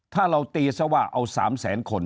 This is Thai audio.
ถ้าเราตีซะว่าเอา๓แสนคน